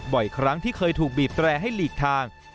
บ่อยครั้งที่เคยถูกบีบแตรให้หลีกทาง